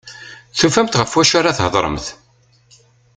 Tufamt ɣef wacu ara thedremt.